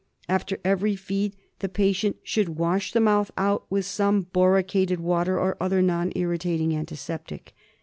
After every feed the patient should wash the mouth out with some boricated water or other non irritating antiseptic.